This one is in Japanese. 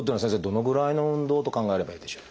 どのぐらいの運動と考えればいいでしょうか？